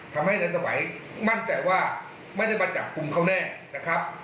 ทำให้ในสมัยมั่นใจว่าไม่ได้มาจับกลุ่มเขาแน่นะครับ